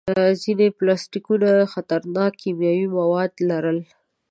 ځینې پلاستيکونه خطرناک کیمیاوي مواد لري.